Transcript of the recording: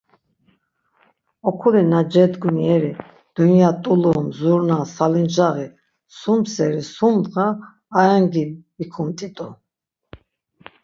Okuli na cedgun yeri dunya t̆ulum, zurna, salincaği, sum seri sum ndğa aengi vikumt̆itu.